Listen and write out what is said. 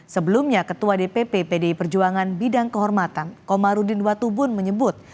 sebelumnya ketua dpp pdi perjuangan bidang kehormatan komarudin watubun menyebut